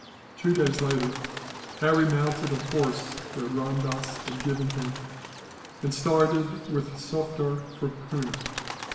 Two days later, Harry mounted a horse that Ramdass had given him, and started with Sufder for Poona.